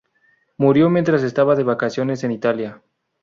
Murió mientras estaba de vacaciones en Italia.